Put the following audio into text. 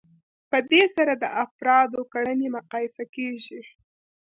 په دې سره د افرادو کړنې مقایسه کیږي.